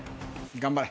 頑張れ。